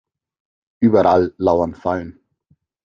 Überall lauern Fallen.